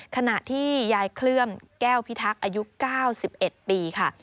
ขณะที่ยายเคลื่อมแก้วพิทักษ์อายุ๙๑ปีค่ะ